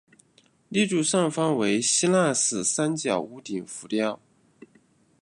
立柱上方为希腊式三角屋顶浮雕。